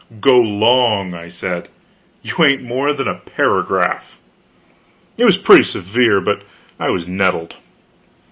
"Go 'long," I said; "you ain't more than a paragraph." It was pretty severe, but I was nettled.